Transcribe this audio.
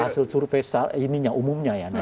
hasil survei ini yang umumnya ya